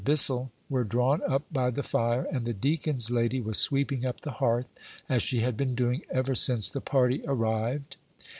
Bissel were drawn up by the fire, and the deacon's lady was sweeping up the hearth, as she had been doing ever since the party arrived.